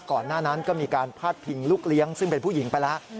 ก่อนหน้านั้นก็มีการพาดพิงลูกเลี้ยงซึ่งเป็นผู้หญิงไปแล้ว